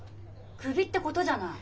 クビってことじゃない。